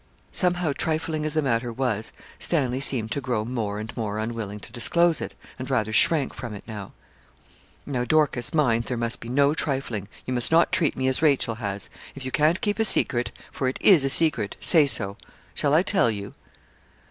Somehow trifling as the matter was, Stanley seemed to grow more and more unwilling to disclose it, and rather shrank from it now. 'Now, Dorcas, mind, there must be no trifling. You must not treat me as Rachel has. If you can't keep a secret for it is a secret say so. Shall I tell you?'